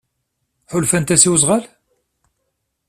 Ḥulfant-as i wezɣal?